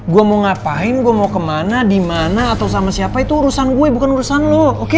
gue mau ngapain gue mau kemana di mana atau sama siapa itu urusan gue bukan urusan lo